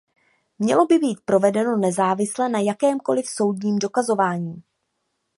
Mělo by být provedeno nezávisle na jakémkoli soudním dokazování.